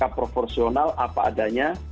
tak proporsional apa adanya